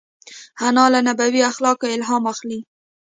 انا له نبوي اخلاقو الهام اخلي